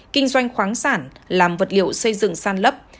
kinh doanh khoáng sản làm vật liệu xây dựng san lấp